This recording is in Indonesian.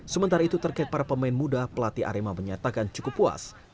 sementara itu terkait para pemain muda pelatih arema menyatakan cukup puas